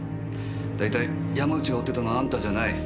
大体山内が追ってたのはあんたじゃない。